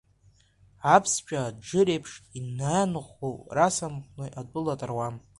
Аԥсшәа аџыр еиԥш ианыӷәӷәоу, расамахәны атәыла таруам.